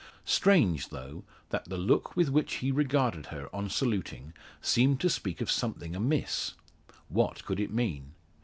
Strange, though, that the look with which he regarded her on saluting, seemed to speak of something amiss! What could it mean!